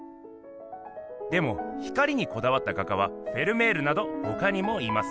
でも光にこだわった画家はフェルメールなどほかにもいます。